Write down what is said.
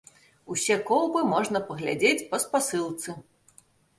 Усе коўбы можна паглядзець па спасылцы.